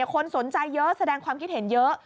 คนสนใจเยอะแสดงความคิดเห็นเยอะ